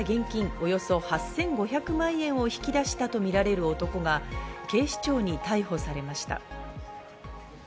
およそ８５００万円を引き出したとみられる男が警視庁に逮捕されました。